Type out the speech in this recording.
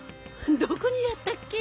どこにやったっけ？